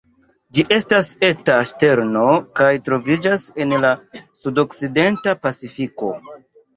Ĝi estas eta ŝterno kaj troviĝas en la sudokcidenta Pacifiko.